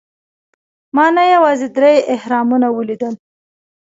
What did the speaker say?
ما نه یوازې درې اهرامونه ولیدل.